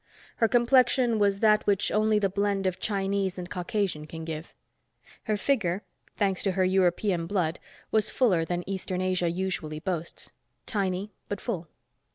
Her complexion was that which only the blend of Chinese and Caucasian can give. Her figure, thanks to her European blood, was fuller than Eastern Asia usually boasts; tiny, but full.